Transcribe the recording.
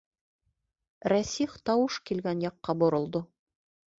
Рәсих тауыш килгән яҡҡа боролдо.